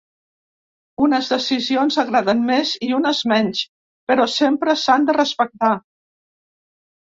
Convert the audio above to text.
Unes decisions agraden més i unes menys, però sempre s’han de respectar.